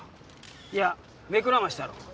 いや目くらましだろう。